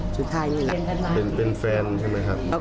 สุดท้ายนี่แหละเป็นแฟนใช่ไหมครับ